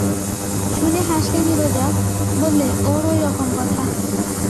শুনে হাসলে নীরজা, বললে, ওর ঐরকম কথা।